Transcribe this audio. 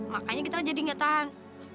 makanya kita jadi nggak tahan